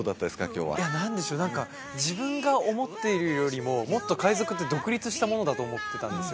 今日は何でしょう何か自分が思っているよりももっと海賊って独立したものだと思ってたんです